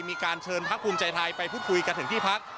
มีการเชิญพักภูมิใจไทยไปพูดคุยกันถึงที่พัก